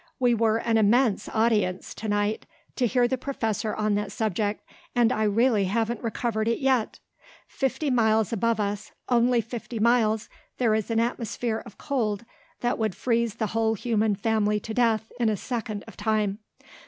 We were an immense audience to night, to hear the Professor on that subject, and I really haven't recovered it yet. Fifty miles above us only fifty miles there is an atmosphere of cold that would freeze the whole human family to death in a second of time.